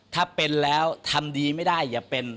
ถ้าเป็นแล้วทำดีไม่ได้อย่าเป็น